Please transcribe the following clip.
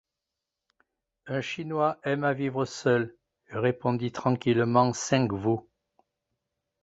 Un Chinois aime à vivre seul, répondit tranquillement Seng-Vou.